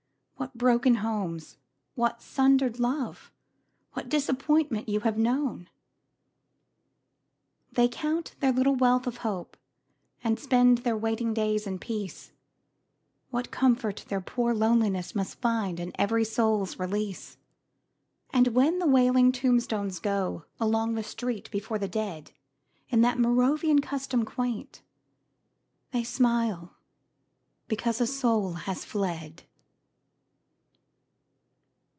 What broken homes, what sundered love, What disappointment you have known! They count their little wealth of hope And spend their waiting days in peace, What comfort their poor loneliness Must find in every soul's release! And when the wailing trombones go Along the street before the dead In that Moravian custom quaint, They smile because a soul has fled.